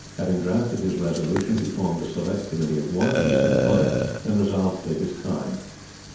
Having drafted his Resolution, he formed a Select Committee of One to sit upon it, and resolved to take his time.